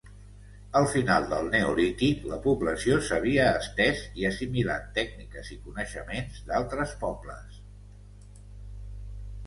Al final del neolític, la població s'havia estès i assimilat tècniques i coneixements d'altres pobles.